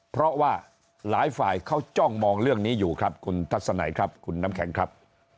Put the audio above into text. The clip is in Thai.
เพราะว่าหลายฝ่ายเขาจ้องมองเรื่องนี้อยู่ครับคุณทัศนัยครับคุณน้ำแข็งครับ